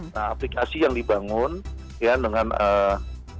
nah aplikasi yang dibangun ya dengan ee